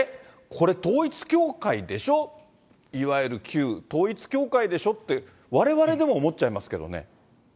これ統一教会でしょ、いわゆる旧統一教会でしょって、われわれでも思っちゃいますけどね。